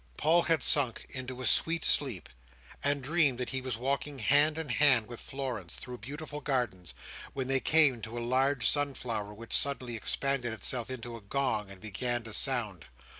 Paul had sunk into a sweet sleep, and dreamed that he was walking hand in hand with Florence through beautiful gardens, when they came to a large sunflower which suddenly expanded itself into a gong, and began to sound.